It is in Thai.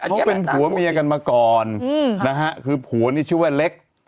เขาเป็นผัวเมียกันมาก่อนนะฮะคือผัวนี่ชื่อว่าเล็ก